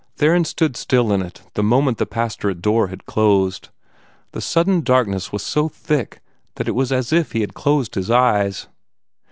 Theron stood still in it the moment the pastorate door had closed; the sudden darkness was so thick that it was as if he had closed his eyes.